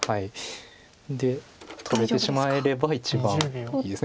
で取れてしまえれば一番いいです。